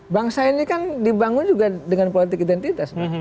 bangsa ini kan dibangun juga dengan politik identitas